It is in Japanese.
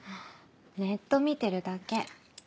ネット見てるだけ。